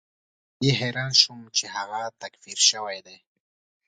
په دې حیران شوم چې هغه تکفیر شوی دی.